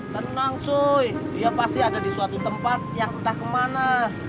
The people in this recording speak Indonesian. tenang cuy dia pasti ada di suatu tempat yang entah kemana